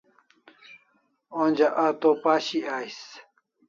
Onja a to pashi ais